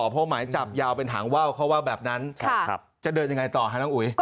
เพราะหมายจับยาวเป็นหางว่าวเขาว่าแบบนั้นจะเดินยังไงต่อฮะน้องอุ๋ย